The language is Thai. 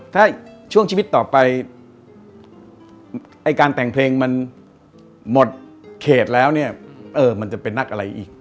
ถ้าช่วงชีวิตต่อไปไอ้การแต่งเพลงมันหมดเขตแล้วเนี่ยเออมันจะเป็นนักอะไรอีก